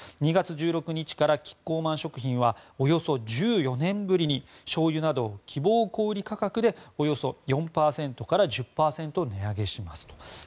２月１６日からキッコーマン食品はおよそ１４年ぶりにしょうゆなどを希望小売価格でおよそ４％から１０％値上げしますと。